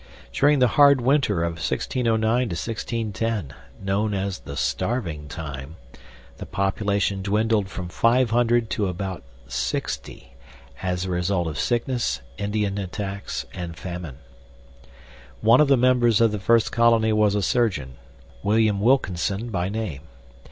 During the hard winter of 1609 10 (known as the "starving time"), the population dwindled from 500 to about 60 as a result of sickness, Indian attacks, and famine. One of the members of the first colony was a surgeon, William Wilkinson by name.